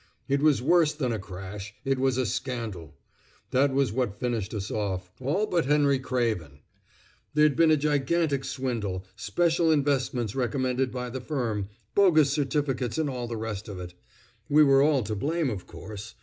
It was worse than a crash. It was a scandal. That was what finished us off, all but Henry Craven! There'd been a gigantic swindle special investments recommended by the firm, bogus certificates and all the rest of it. We were all to blame, of course.